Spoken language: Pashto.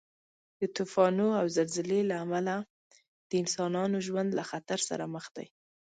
د طوفانو او زلزلې له امله د انسانانو ژوند له خطر سره مخ دی.